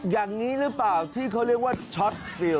อย่างนี้หรือเปล่าที่เขาเรียกว่าช็อตฟิล